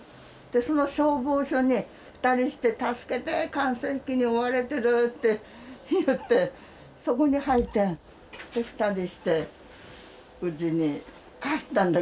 その消防署に２人して「助けて艦載機に追われてる」って言ってそこに入って２人してうちに帰ったんだけど。